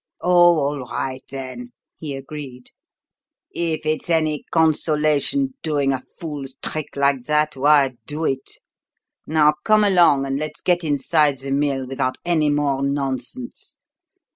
"Oh, all right, then," he agreed. "If it's any consolation doing a fool's trick like that, why do it! Now come along, and let's get inside the mill without any more nonsense.